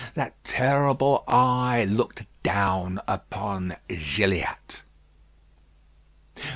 That terrible eye looked down upon Gilliatt.